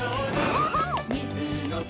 そうそう！